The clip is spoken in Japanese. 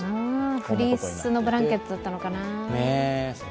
フリースのブランケットだったのかな